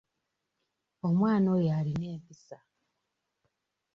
Omwana oyo alina empisa.